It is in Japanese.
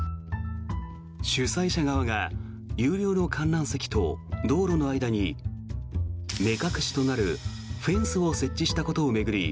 主催者側が有料の観覧席と道路の間に目隠しとなるフェンスを設置したことを巡り